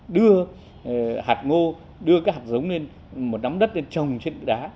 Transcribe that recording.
đưa hạt ngô đưa các hạt giống lên một nắm đất lên trồng trên đá